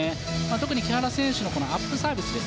特に木原選手のアップサービス。